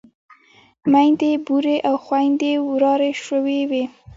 ميندې بورې او خويندې ورارې شوې وې.